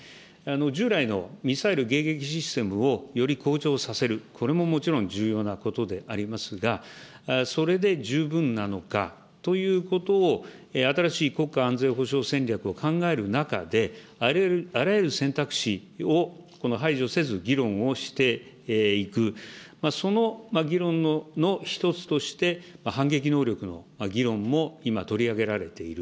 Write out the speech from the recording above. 従来のミサイル迎撃システムをより向上させる、これももちろん重要なことでありますが、それで十分なのかということを新しい国家安全保障戦略を考える中で、あらゆる選択肢を排除せず、議論をしていく、その議論の一つとして反撃能力の議論も今、取り上げられている。